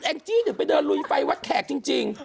เองจิ๊ดถูกไปเดินลุยไฟวัดแขกจริง